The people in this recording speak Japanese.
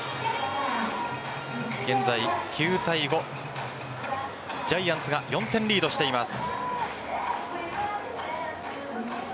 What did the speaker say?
現在、９対５．ジャイアンツが４点リードしています。